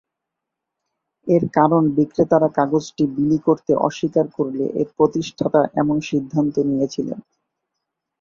এর কারণ বিক্রেতারা কাগজটি বিলি করতে অস্বীকার করলে এর প্রতিষ্ঠাতা এমন সিদ্ধান্ত নিয়েছিলেন।